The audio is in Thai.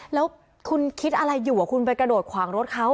แล้วคุณคิดอะไรอยู่คุณไปกระโดดขวางรถเขา